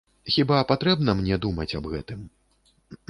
Хіба патрэбна мне думаць аб гэтым.